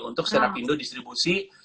untuk stena pindo distribusi